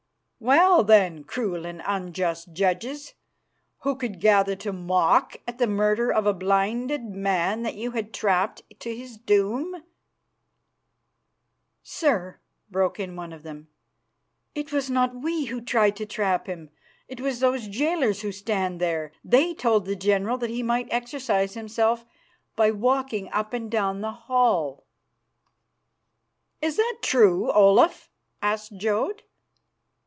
"Well, then, cruel and unjust judges, who could gather to mock at the murder of a blinded man that you had trapped to his doom " "Sir," broke in one of them, "it was not we who tried to trap him; it was those jailers who stand there. They told the general that he might exercise himself by walking up and down the hall." "Is that true, Olaf?" asked Jodd.